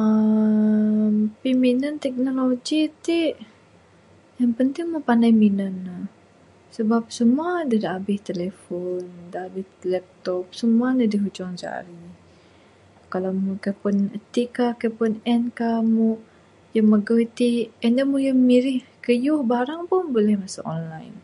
uhh piminan teknologi ti yang penting mbuh panai minan ne sabab simua da abih telephone da abih laptop simua ne da hujung jari...kalau mu kaii puan ati ka kaii puan en ka mu magau ti Inan mu mirih kayuh barang pun buleh masu online.